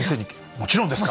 もちろんですか！